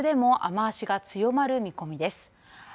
また四国でも雨足が強まる見込みです。